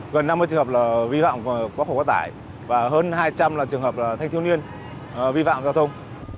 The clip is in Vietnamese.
gần năm mươi trường hợp vi phạm giao thông có tải và hơn hai trăm linh trường hợp thanh thiếu niên vi phạm giao thông